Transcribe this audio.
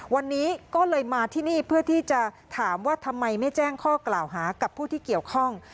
วันนี้ก็เลยมาที่นี่เพื่อที่จะถามว่าทำไมไม่แจ้งข้อกล่าวหากับผู้ที่เกี่ยวข้อง